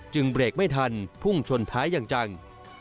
เบรกไม่ทันพุ่งชนท้ายอย่างจัง